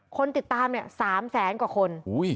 คนติดตามเนี่ย๓แสนกว่าคน